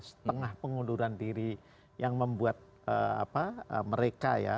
setengah pengunduran diri yang membuat mereka ya